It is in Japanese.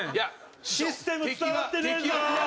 システム伝わってねえぞ！